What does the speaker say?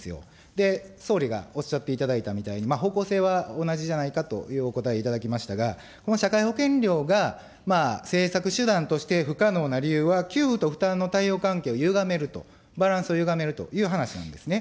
で、総理がおっしゃっていただいたみたいに、方向性は同じじゃないかというお答えをいただきましたが、この社会保険料が、政策手段として不可能な理由は、給付と負担の関係をゆがめると、バランスをゆがめるという話なんですね。